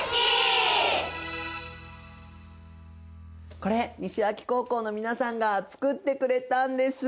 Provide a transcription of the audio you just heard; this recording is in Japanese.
これ西脇高校の皆さんが作ってくれたんです。